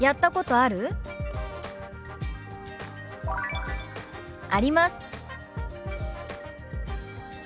「あります」。